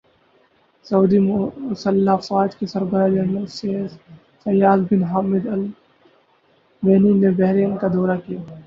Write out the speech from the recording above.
سعودی مسلح افواج کے سربراہ جنرل فیاض بن حامد الرویلی نے بحرین کا دورہ کیا